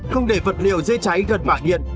không để vật liệu dây cháy gần bảng điện